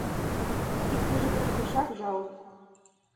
Иктыже гын, пешак жал.